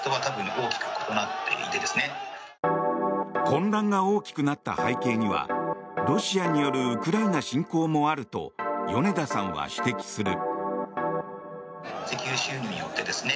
混乱が大きくなった背景にはロシアによるウクライナ侵攻もあると米田さんは指摘する。